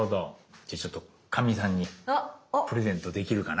じゃあちょっとかみさんにプレゼントできるかな。